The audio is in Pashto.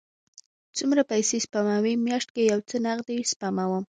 څومره پیسی سپموئ؟ میاشت کې یو څه نغدي سپموم